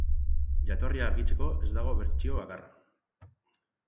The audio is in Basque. Jatorria argitzeko ez dago bertsio bakarra.